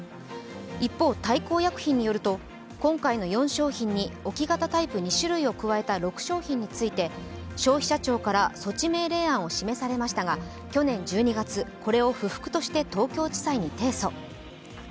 一方、大幸薬品によると今回の４商品に置き型タイプ２種類を加えた６商品について消費者庁から措置命令案を示されましたが、去年１２月、これを不服として東京地裁に提訴。